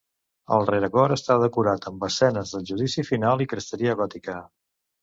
El rerecor està decorat amb escenes del Judici Final i cresteria gòtica.